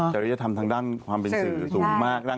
จริงความเป็นสื่อมาก